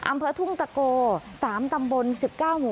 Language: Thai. อำเภอทุ่งตะโกสามตำบลสิบเก้ามูบ้าน